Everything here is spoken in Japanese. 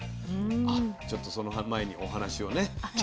ちょっとその前にお話をね。